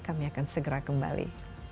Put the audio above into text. kami akan segera kembali